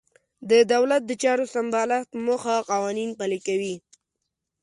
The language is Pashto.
د دولت د چارو سمبالښت په موخه قوانین پلي کوي.